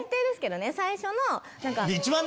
最初の。